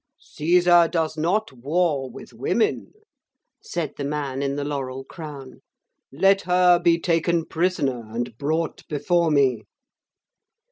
'Caesar does not war with women,' said the man in the laurel crown; 'let her be taken prisoner and brought before me.'